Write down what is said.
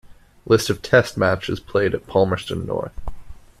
List of Test matches played at Palmerston North.